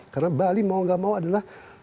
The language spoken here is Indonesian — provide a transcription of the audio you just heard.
karena bali mau ga mau adalah